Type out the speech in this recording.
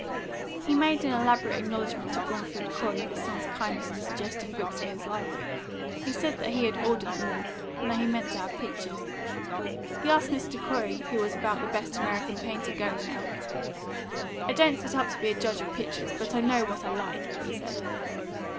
He made an elaborate acknowledgment to Bromfield Corey of his son's kindness in suggesting books for his library; he said that he had ordered them all, and that he meant to have pictures. He asked Mr. Corey who was about the best American painter going now. "I don't set up to be a judge of pictures, but I know what I like," he said.